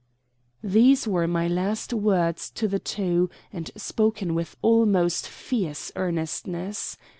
These were my last words to the two, and spoken with almost fierce earnestness.